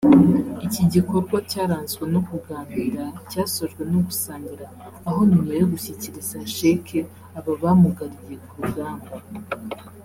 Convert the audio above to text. Iki gikorwa cyaranzwe no kuganira cyasojwe no gusangira aho nyuma yo gushyikiriza sheke aba bamugariye ku rugamba